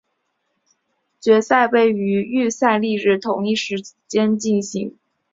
决赛则于预赛翌日同一时间进行。